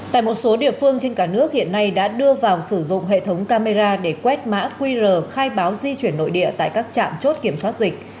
tại một số địa phương trên cả nước hiện nay đã đưa vào sử dụng hệ thống camera để quét mã qr khai báo di chuyển nội địa tại các trạm chốt kiểm soát dịch